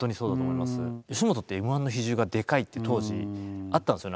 吉本ってＭ−１の比重がでかいって当時あったんですよ